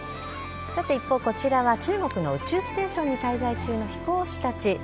さて、一方、こちらは中国の宇宙ステーションに滞在中の飛行士たち。